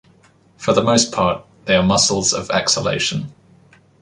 For the most part, they are muscles of exhalation.